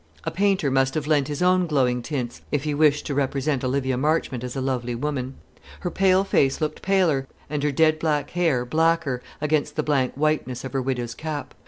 A painter must have lent his own glowing tints if he wished to represent Olivia Marchmont as a lovely woman. Her pale face looked paler, and her dead black hair blacker, against the blank whiteness of her widow's cap.